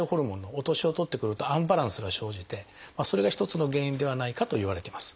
お年を取ってくるとアンバランスが生じてそれが一つの原因ではないかといわれています。